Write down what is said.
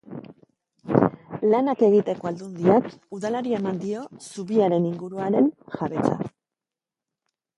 Lanak egiteko Aldundiak Udalari eman dio zubiaren inguruaren jabetza.